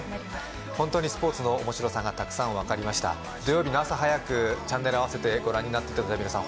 ホントにスポーツの面白さがたくさん分かりました土曜日の朝早くチャンネル合わせてご覧になっていただいた皆さん